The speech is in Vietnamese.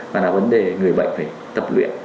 mà là vấn đề người bệnh phải tập luyện để bớt đi căng thẳng